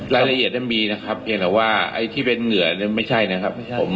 รายละเอียดนั้นมีนะครับเพียงแต่ว่าไอ้ที่เป็นเหงื่อไม่ใช่นะครับ